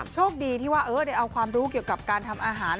โชคดีที่ว่าได้เอาความรู้เกี่ยวกับการทำอาหาร